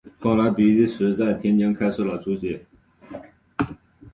后来比利时在天津开设了租界。